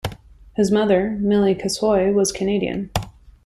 His mother, Milli Kasoy, was Canadian.